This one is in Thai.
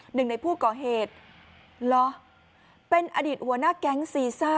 หนึ่งในผู้ก่อเหตุเหรอเป็นอดีตหัวหน้าแก๊งซีซ่า